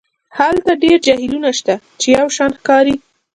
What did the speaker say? هلته ډیر جهیلونه شته چې یو شان ښکاري